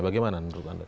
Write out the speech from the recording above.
bagaimana menurut anda